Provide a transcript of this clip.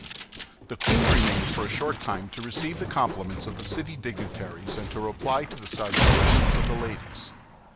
The queen remained for a short time to receive the compliments of the city dignitaries and to reply to the salutations of the ladies.